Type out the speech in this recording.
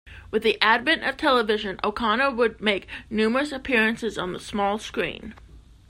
With the advent of television, O'Connor would make numerous appearances on the small screen.